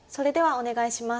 お願いします。